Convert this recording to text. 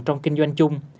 trong kinh doanh chung